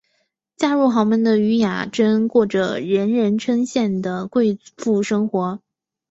嫁入豪门的禹雅珍过着人人称羡的贵妇生活。